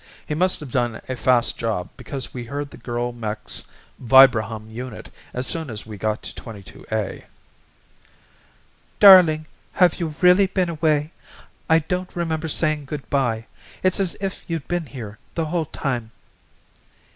He must have done a fast job because we heard the girl mech's vibrahum unit as soon as we got to 22A: "Darling, have you really been away? I don't remember saying good bye. It's as if you'd been here the whole time."